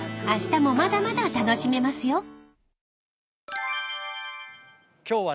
［あしたもまだまだ楽しめますよ］